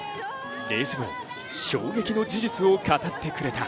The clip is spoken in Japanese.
レース後、衝撃の事実を語ってくれた。